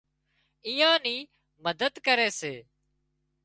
ايئان نِي مدد ڪري سي